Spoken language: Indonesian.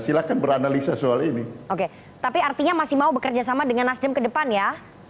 silahkan beranalisa soal ini oke tapi artinya masih mau bekerja sama dengan nasdem kedepan ya